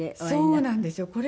そうなんですよ。